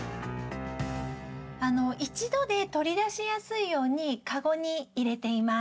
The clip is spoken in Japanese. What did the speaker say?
一度で取り出しやすいように籠に入れています。